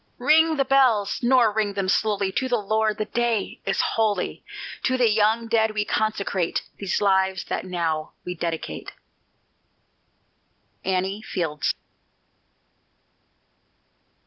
Ring the bells, nor ring them slowly, To the Lord the day is holy; To the young dead we consecrate These lives that now we dedicate. ANNIE FIELDS.